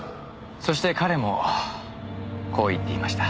そして彼もこう言っていました。